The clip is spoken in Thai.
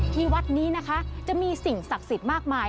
ที่วัดนี้นะคะจะมีสิ่งศักดิ์สิทธิ์มากมาย